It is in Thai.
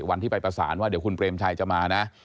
วันที่ไปประสานว่าเดี๋ยวคุณเปรมชัยจะมานะ